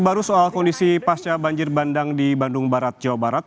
bagaimana kondisi banjir bandang di bandung barat jawa barat